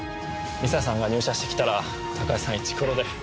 美佐さんが入社してきたら高井さんイチコロで。